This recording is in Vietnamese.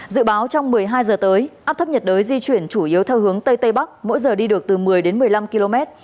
dự báo trong một mươi hai giờ tới áp thấp nhiệt đới di chuyển chủ yếu theo hướng tây tây bắc mỗi giờ đi được từ một mươi đến một mươi năm km